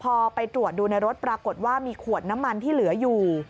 พอไปตรวจดูในรถปรากฏว่ามีขวดน้ำมันที่เหลืออยู่